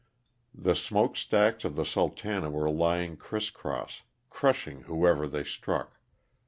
The smokestacks of the ''Sultana" were lying criss cross, crushing whoever they struck.